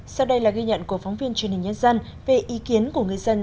sau đây là ghi nhận của phóng viên truyền hình nhân dân về ý kiến của người dân